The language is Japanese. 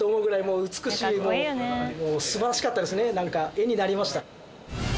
絵になりました。